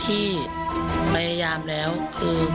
มีความรู้สึกว่า